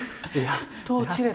やっと落ちれる。